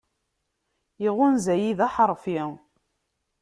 Iɣunza-yi, d aḥeṛfi.